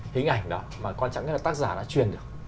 hình ảnh đó mà quan trọng nhất là tác giả đã truyền được